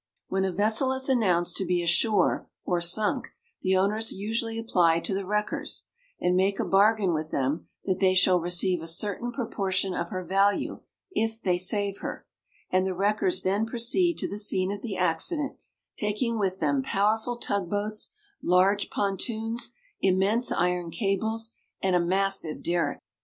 When a vessel is announced to be ashore or sunk, the owners usually apply to the wreckers, and make a bargain with them that they shall receive a certain proportion of her value if they save her, and the wreckers then proceed to the scene of the accident, taking with them powerful tug boats, large pontoons, immense iron cables, and a massive derrick.